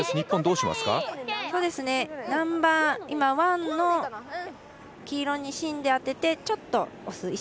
今、ナンバーワンの黄色に芯で当ててちょっと押す。